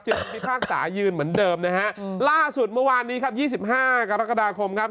พิพากษายืนเหมือนเดิมนะฮะล่าสุดเมื่อวานนี้ครับ๒๕กรกฎาคมครับ